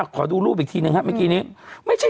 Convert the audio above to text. ขอดูรูปอีกทีหนึ่งครับเมื่อกี้นี้